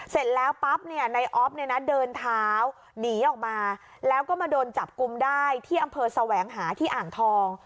เสร็จแล้วปั๊บเนี่ยในออฟเนี่ยนะเดินเท้าหนีออกมาแล้วก็มาโดนจับกุมได้ที่อำเภอแสวงหาที่อ่างทอง